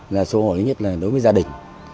là xấu hổ nhất là đối với gia đình